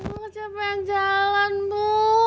aku capek jalan bu